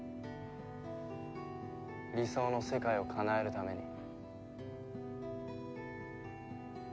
理想の世界をかなえるために。